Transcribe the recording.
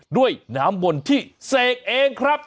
ด้วยน้ำมนต์ที่เสกเองครับ